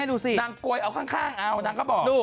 ดูสินางโกยเอาข้างเอานางก็บอก